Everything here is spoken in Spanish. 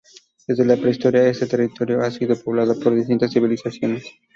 Desde la prehistoria, este territorio ha sido poblado por distintas civilizaciones.